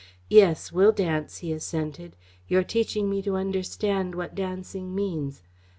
"Yes, we'll dance," he assented. "You're teaching me to understand what dancing means.